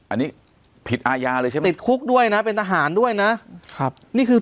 อันนี้ผิดอายาเลยจะติดคุกด้วยนะเป็นทหารด้วยนะนี่คือ